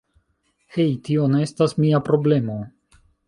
Hej, tio ne estas mia problemo